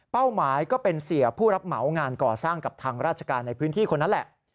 หมายก็เป็นเสียผู้รับเหมางานก่อสร้างกับทางราชการในพื้นที่คนนั้นแหละ